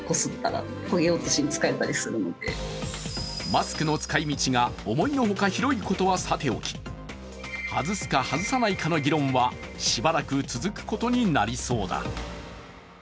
マスクの使い道が思いの外広いのはさておき、外すか外さないかの議論はしばらく続くことになりそうだ。